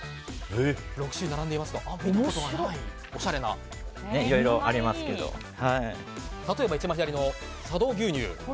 ６種類並んでいますが見たことがないおしゃれなものがいろいろありますけど例えば、一番左の佐渡牛乳。